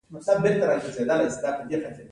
ایا مصنوعي ځیرکتیا د انساني هڅې اهمیت نه راټیټوي؟